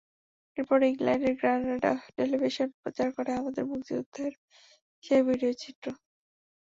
এরপর ইংল্যান্ডের Granada television প্রচার করে আমাদের মুক্তিযুদ্ধের সেই ভিডিও চিত্র।